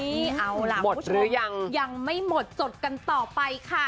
นี่เอาล่ะผู้ชมหมดหรือยังยังไม่หมดจดกันต่อไปค่ะ